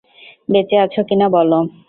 বেঁচে আছো কিনা বলো।